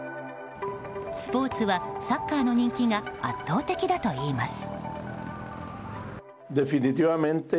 スポーツは、サッカーの人気が圧倒的だといいます。